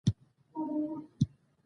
دوکاندار د خپلو مشتریانو نومونه یاد ساتي.